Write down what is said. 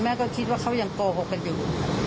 มากก้นเท่ากันทำไมกลับฮื้ม